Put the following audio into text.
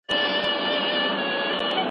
الوتکه له غره څخه پورته البوته.